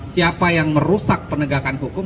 siapa yang merusak penegakan hukum